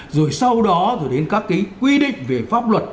rồi sau đó rồi đến các cái quy định về pháp luật